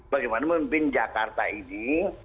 bagaimana memimpin jakarta ini